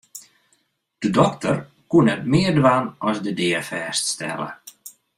De dokter koe net mear dwaan as de dea fêststelle.